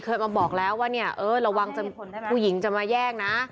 เคยมาบอกแล้วว่าเนี่ยเออระวังผู้หญิงจะมาแย่งนะ